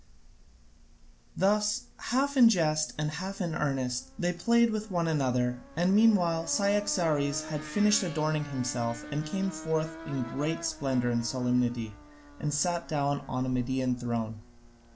Thus half in jest and half in earnest they played with one another, and meanwhile Cyaxares had finished adorning himself and came forth in great splendour and solemnity, and sat down on a Median throne.